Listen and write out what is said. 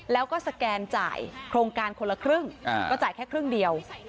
แล้วก็สแกนจ่ายโครงการคนละครึ่งก็จ่ายแค่ครึ่งเดียว